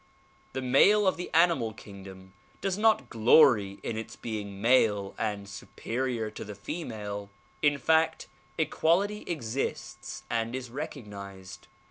The male of the animal kingdom does not glory in its being male and superior to the female. In fact equality exists and is recognized.